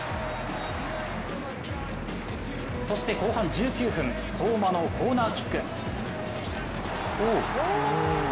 そして後半１９分、相馬のコーナーキック。